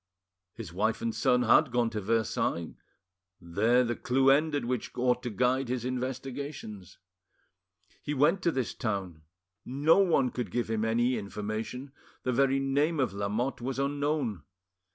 His wife and his son had gone to Versailles, there the clue ended which ought to guide his investigations. He went to this town; no one could give him any information, the very name of Lamotte was unknown.